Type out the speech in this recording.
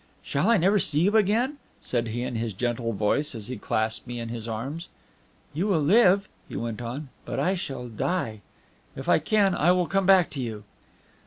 "Shall I ever seen you again?" said he in his gentle voice, as he clasped me in his arms. "You will live," he went on, "but I shall die. If I can, I will come back to you."